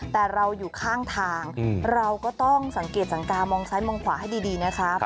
แต่เราอยู่ข้างทางเราก็ต้องสังเกตสังกามองซ้ายมองขวาให้ดีนะครับ